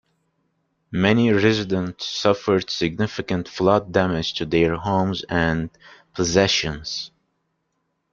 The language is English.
Many residents suffered significant flood damage to their homes and possessions.